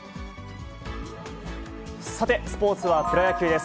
さて、スポーツはプロ野球です。